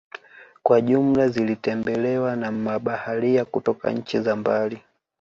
Kwa jumla zilitembelewa na mabaharia kutoka nchi za mbali